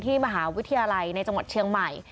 มหาวิทยาลัยในจังหวัดเชียงใหม่